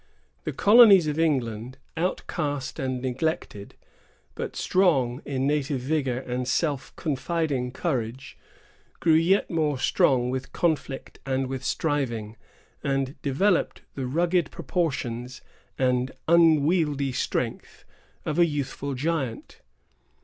The colonies of England, outcast and neglected, but strong in native vigor and self confiding courage, grew yet more strong with conflict and with striving, and developed the rugged proportions and unwieldy strength of a youthful giant.